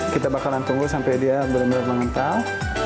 kita bakalan tunggu sampai dia benar benar mengental